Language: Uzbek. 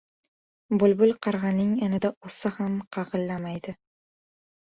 • Bulbul qarg‘aning inida o‘ssa ham qag‘illamaydi.